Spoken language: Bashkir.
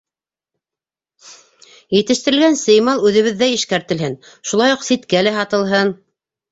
Етештерелгән сеймал үҙебеҙҙә эшкәртелһен, шулай уҡ ситкә лә һатылһын.